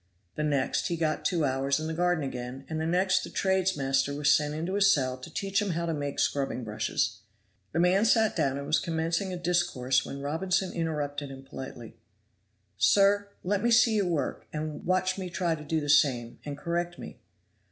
The next he got two hours in the garden again, and the next the trades' master was sent into his cell to teach him how to make scrubbing brushes. The man sat down and was commencing a discourse when Robinson interrupted him politely: "Sir, let me see you work, and watch me try to do the same, and correct me."